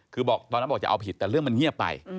คือบอกตอนนั้นบอกจะเอาผิดแต่เรื่องมันเงียบไป